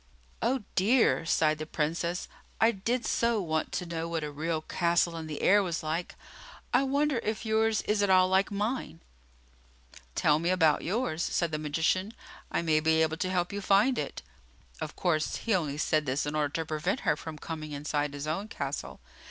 "Oh, dear!" sighed the Princess. "I did so want to know what a real castle in the air was like. I wonder if yours is at all like mine!" "Tell me about yours," said the magician. "I may be able to help you to find it." Of course, he only said this in order to prevent her from coming inside his own castle.